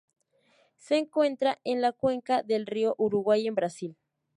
Se encuentra en la cuenca del río Uruguay en Brasil.